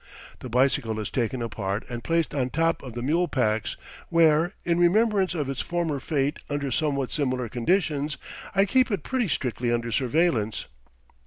The bicycle is taken apart and placed on top of the mule packs, where, in remembrance of its former fate under somewhat similar conditions, I keep it pretty strictly under surveillance.